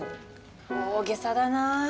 大げさだなあ。